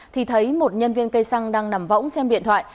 thì thấy một nhân viên cây xăng đang nằm võng xem điện thoại